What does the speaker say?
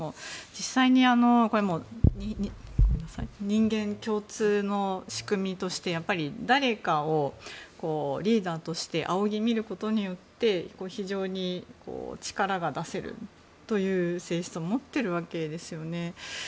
実際に人間共通の仕組みとして誰かをリーダーとして仰ぎ見ることによって非常に力が出せるという性質を持っているわけですよね。